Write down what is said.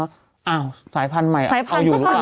อ้าวสายพันธุ์ใหม่สายพันธุ์สายพันธุ์ใหม่แล้วเอาอยู่หรือเปล่า